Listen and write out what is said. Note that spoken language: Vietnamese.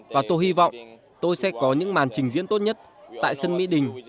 và tôi hy vọng tôi sẽ có những màn trình diễn tốt nhất tại sân mỹ đình